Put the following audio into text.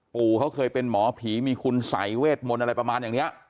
ปู่เขาเคยเป็นหมอผีมีคุณสัยเวทมนต์อะไรประมาณอย่างนี้